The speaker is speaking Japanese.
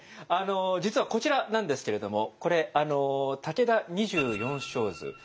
実はこちらなんですけれどもこれ「武田二十四将図」